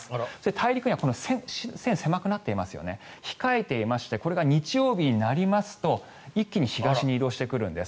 大陸には線が狭くなっていますよね控えていましてこれが日曜日になりますと一気に東に移動してくるんです。